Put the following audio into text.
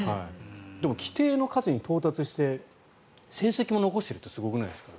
でも、規定の数に到達して成績も残してるってすごくないですか。